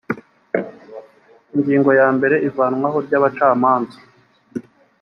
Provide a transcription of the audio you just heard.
ingingo ya mbere ivanwaho ry abacamanza